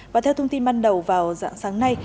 và theo thông tin ban đầu vào dạng sáng nay